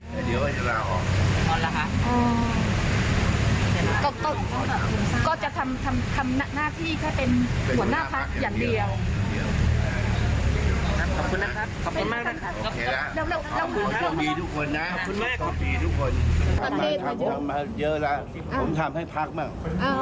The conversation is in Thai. มาเยอะแล้วผมทำให้พักษ์มาก